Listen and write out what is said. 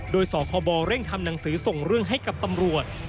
โดยสคบเร่งทำหนังสือส่งเรื่องให้กับตำรวจ